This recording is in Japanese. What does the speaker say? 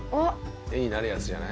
絵になるやつじゃない？